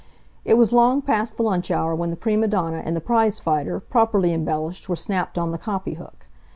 It was long past the lunch hour when the prima donna and the prize fighter, properly embellished, were snapped on the copy hook.